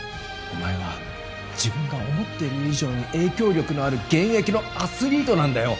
お前は自分が思ってる以上に影響力のある現役のアスリートなんだよ